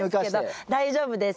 大丈夫です！